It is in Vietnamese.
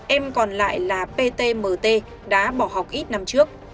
em còn lại là ptmt đã bỏ học ít năm trước